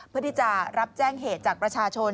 เพื่อที่จะรับแจ้งเหตุจากประชาชน